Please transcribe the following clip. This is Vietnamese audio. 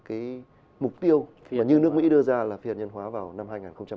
cái mục tiêu như nước mỹ đưa ra là phi hạt nhân hóa vào năm hai nghìn hai mươi